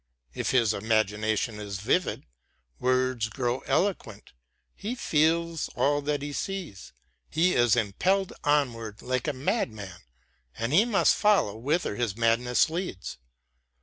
If his imagination be vivid, words grow eloquent, he feels all that he sees: he is impelled onward like a madman, and he must follow whither his madness leads.